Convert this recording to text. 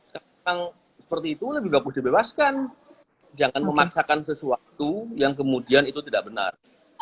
sekarang seperti itu lebih bagus dibebaskan jangan memaksakan sesuatu yang kemudian itu tidak benar